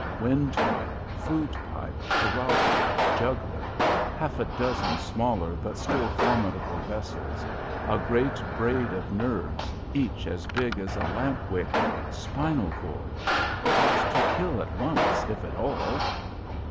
Windpipe, food pipe, carotid, jugular, half a dozen smaller, but still formidable vessels, a great braid of nerves, each as big as a lamp wick, spinal cord, ought to kill at once, if at all.